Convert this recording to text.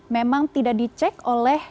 memang tidak dicek oleh